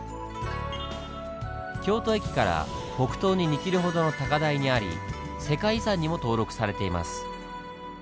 京都駅から北東に２ｋｍほどの高台にあり世界遺産にも登録されています。